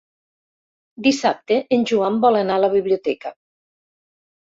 Dissabte en Joan vol anar a la biblioteca.